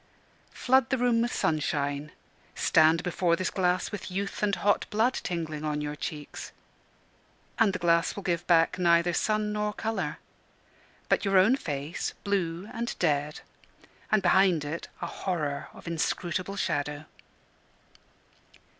Flood the room with sunshine; stand before this glass with youth and hot blood tingling on your cheeks; and the glass will give back neither sun nor colour; but your own face, blue and dead, and behind it a horror of inscrutable shadow.